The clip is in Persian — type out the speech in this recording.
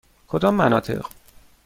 کدام مناطق؟